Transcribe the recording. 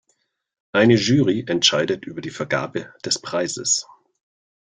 Eine Jury entscheidet über die Vergabe des Preises.